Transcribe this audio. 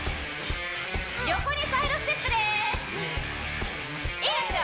横にサイドステップですいいですよ